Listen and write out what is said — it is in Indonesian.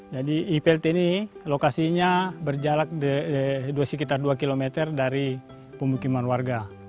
jadi iplt ini lokasinya berjarak sekitar dua km dari pemukiman warga